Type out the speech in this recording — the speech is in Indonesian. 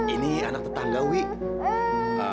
ini anak tetangga wih